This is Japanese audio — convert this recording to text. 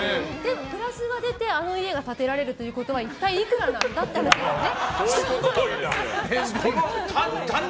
プラスが出てあの家が建てられるということは一体いくらなんだという話ですよね。